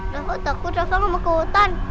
rafa takut rafa mau ke hutan